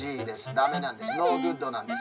ダメなんです。